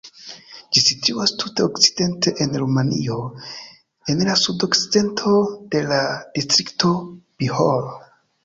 Ĝi situas tute okcidente en Rumanio, en la sud-okcidento de la distrikto Bihor.